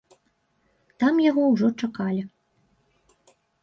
Там яго ўжо чакалі.